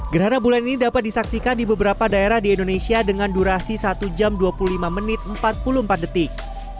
gerhana bulan ini dapat disaksikan di beberapa daerah di indonesia dengan durasi satu jam dua puluh lima menit empat puluh empat detik